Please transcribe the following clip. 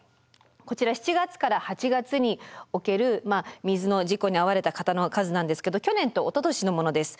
こちら７月から８月における水の事故に遭われた方の数なんですけど去年とおととしのものです。